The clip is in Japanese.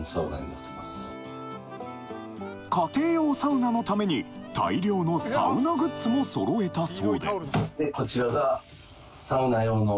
家庭用サウナのために大量のサウナグッズも揃えたそうでこちらが。